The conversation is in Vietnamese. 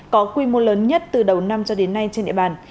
có quy mô lớn nhất từ đầu năm cho đến nay trên địa bàn